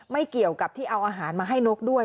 ไม่เกี่ยวกับที่เอาอาหารมาให้นกด้วย